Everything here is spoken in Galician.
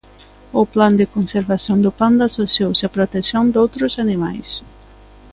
O plan de conservación do panda asociouse á protección doutros animais.